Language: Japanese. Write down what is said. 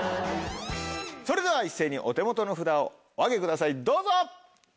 それでは一斉にお手元の札をお上げくださいどうぞ。